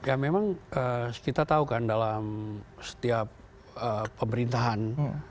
ya memang kita tahu kan dalam setiap pemerintahan